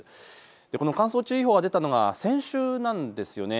この乾燥注意報が出たのが先週なんですよね。